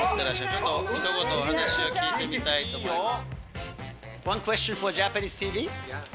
ちょっとひと言話を聞いてみたいと思います。